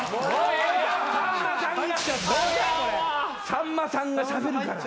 さんまさんがしゃべるから。